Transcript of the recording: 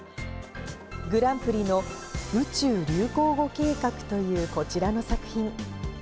グランプリの宇宙流行語計画というこちらの作品。